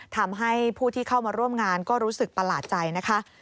ทำให้ผู้ที่เข้ามาร่วมงานก็รู้สึกประหลาดใจนะคะ